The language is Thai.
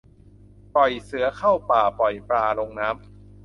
ปล่อยเสือเข้าป่า ปล่อยปลาลงน้ำ